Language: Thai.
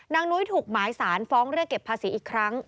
นุ้ยถูกหมายสารฟ้องเรียกเก็บภาษีอีกครั้ง